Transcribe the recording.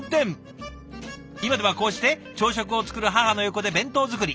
今ではこうして朝食を作る母の横で弁当作り。